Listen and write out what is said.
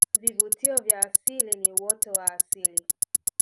vivutio vya asili ni uoto wa asili